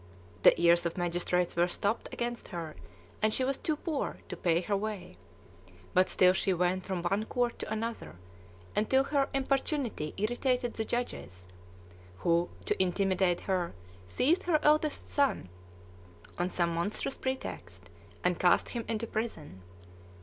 The ears of magistrates were stopped against her, and she was too poor to pay her way; but still she went from one court to another, until her importunity irritated the judges, who, to intimidate her, seized her eldest son, on some monstrous pretext, and cast him into prison.